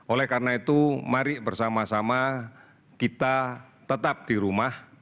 oleh karena itu mari bersama sama kita tetap di rumah